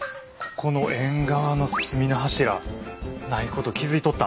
この縁側の隅の柱ないこと気付いとった？